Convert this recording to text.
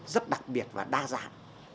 rất đặc biệt và đa dạng